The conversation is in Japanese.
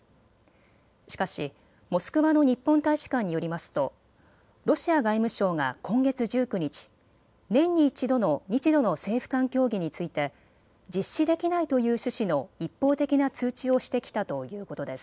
しかしモスクワの日本大使館によりますとロシア外務省が今月１９日、年に一度の日ロの政府間協議について実施できないという趣旨の一方的な通知をしてきたということです。